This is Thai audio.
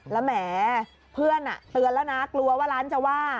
แล้วแหมเพื่อนเตือนแล้วนะกลัวว่าร้านจะว่า